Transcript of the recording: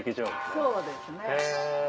そうですね。